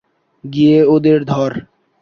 গিয়ে ওদের ধর!